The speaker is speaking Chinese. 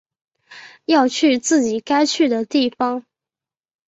要去自己该去的地方